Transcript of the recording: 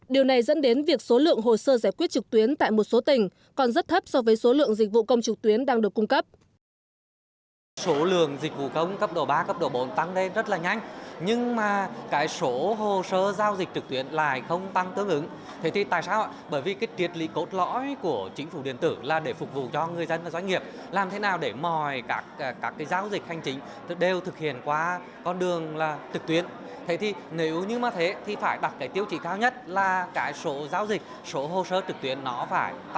điều này dẫn đến việc số lượng hồ sơ giải quyết trực tuyến tại một số tỉnh còn rất thấp so với số lượng dịch vụ công trục tuyến đang được cung cấp